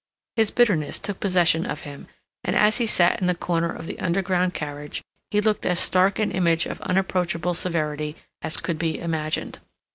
His bitterness took possession of him, and as he sat in the corner of the underground carriage, he looked as stark an image of unapproachable severity as could be imagined.